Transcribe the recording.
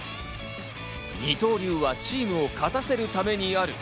二刀流はチームを勝たせるためにある。